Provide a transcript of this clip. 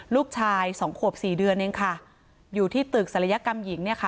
ลูกชายสองขวบสี่เดือนเองค่ะอยู่ที่ตึกศัลยกรรมหญิงเนี่ยค่ะ